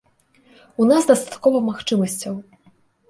У нас дастаткова магчымасцяў.